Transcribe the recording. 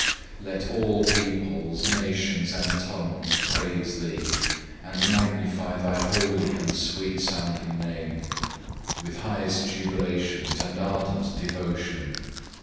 5. Let all peoples, nations, and tongues praise Thee, and magnify Thy holy and sweet sounding Name, with highest jubilations and ardent devotion.